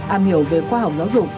am hiểu về khoa học giáo dục